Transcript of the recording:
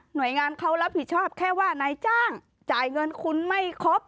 โดยงานเขารับผิดชอบแค่ว่านายจ้างจ่ายเงินคุณไม่ครบ